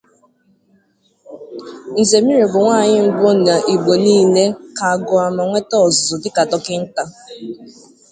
Nzimiro bụ nwanyị mbụ n' Igbo niile ka gụọ ma nweta ọzụzụ dịka dọkịta.